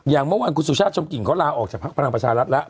อย่างเมื่อวานคุณสุชาติชมกิ่งเขาลาออกจากภักดิ์พลังประชารัฐแล้ว